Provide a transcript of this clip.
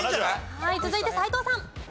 はい続いて斎藤さん。